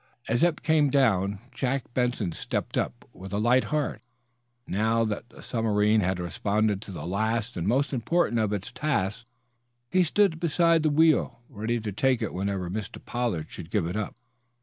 As Eph came down, Jack Benson stepped up, with a light heart, now that the submarine had responded to the last and most important of its tasks. He stood beside the wheel, ready to take it whenever Mr. Pollard should give it up.